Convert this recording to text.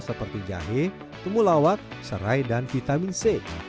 seperti jahe tumulawat serai dan vitamin c